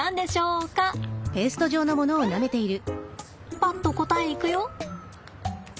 パッと答えいくよ！